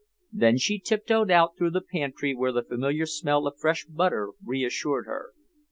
Then she tiptoed out through the pantry where the familiar smell of fresh butter reassured her.